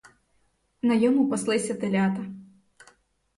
На йому паслися телята.